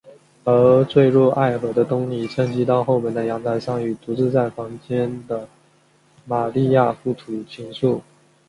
而坠入爱河的东尼趁机到后门的阳台上与独自在房间的玛利亚互吐情愫。